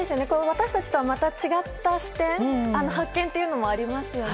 私たちとはまた違った視点発見というのもありますよね。